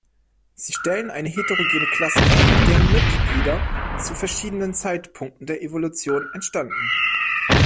Sie stellen eine heterogene Klasse dar, deren Mitglieder zu verschiedenen Zeitpunkten der Evolution entstanden.